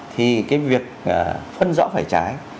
thì cái việc phân rõ phải trái